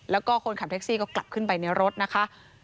แล้วก็คนขับแท็กซี่ก็กลับขึ้นไปในรถนะคะ